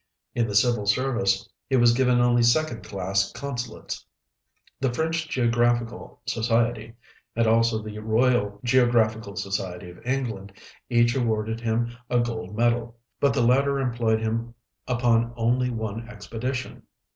In the civil service he was given only second class consulates. The French Geographical Society, and also the Royal Geographical Society of England, each awarded him a gold medal, but the latter employed him upon only one expedition.